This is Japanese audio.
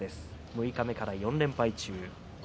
六日目から４連敗中。